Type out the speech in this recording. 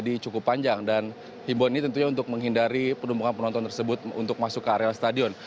ini cukup panjang dan himbauan ini tentunya untuk menghindari penumpukan penonton tersebut untuk masuk ke areal stadion